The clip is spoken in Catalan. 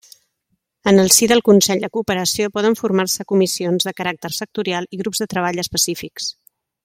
En el si del Consell de Cooperació poden formar-se comissions de caràcter sectorial i grups de treball específics.